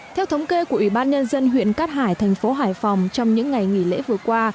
theo thống kê của ủy ban nhân dân huyện cát hải thành phố hải phòng trong những ngày nghỉ lễ vừa qua